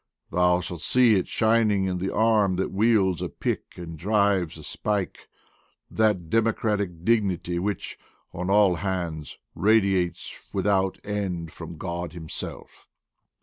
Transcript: Thou shalt see it shining in the arm that wields a pick and drives a spike; that democratic dignity which, on all hands, radiates without end from God Himself."